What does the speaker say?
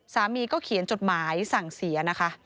สามีก็เขียนจดหมายสั่งเสียนะคะ